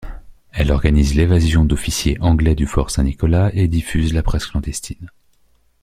Elle organise l'évasion d'officiers anglais du fort Saint-Nicolas et diffuse la presse clandestine.